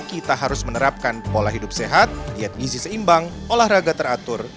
kita harus menerapkan pola hidup sehat diet gizi seimbang olahraga teratur